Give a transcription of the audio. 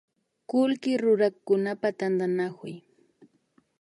Kullki rurakunapak tantanakuy